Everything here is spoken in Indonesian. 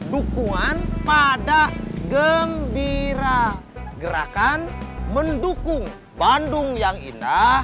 dukungan pada gembira